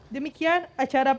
demikian acara berikutnya